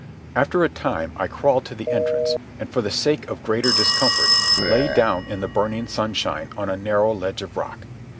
After a time I crawled to the entrance, and, for the sake of greater discomfort, lay down in the burning sunshine on a narrow ledge of rock.